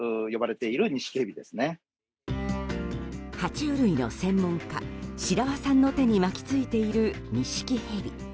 爬虫類の専門家白輪さんの手に巻き付いているニシキヘビ